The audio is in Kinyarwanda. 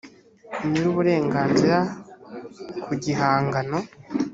nyir uburenganzira ku gihangano